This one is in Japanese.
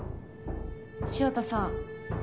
潮田さん。